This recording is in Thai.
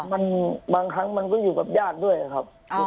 มันบางครั้งมันก็อยู่กับญาติด้วยครับ